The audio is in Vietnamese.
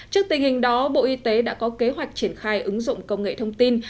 trước tình hình đó bộ y tế đã có kế hoạch triển khai ứng dụng công nghệ thông tin